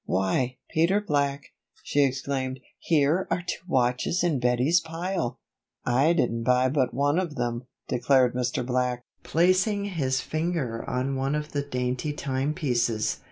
"Why, Peter Black," she exclaimed. "Here are two watches in Bettie's pile!" "I didn't buy but one of them," declared Mr. Black, placing his finger on one of the dainty timepieces.